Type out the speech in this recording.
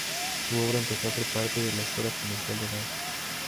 Su obra empezó a ser parte de la esfera comercial del arte.